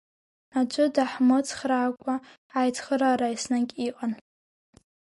Аӡәы даҳмыцхраакәа, аицхыраара еснагь иҟан.